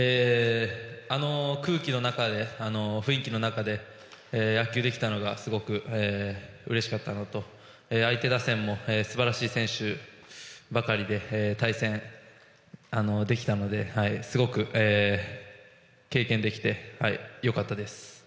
あの空気、雰囲気の中で野球ができたのがすごくうれしかったのと相手打線も素晴らしい選手ばかりで対戦できたので、すごく経験できて良かったです。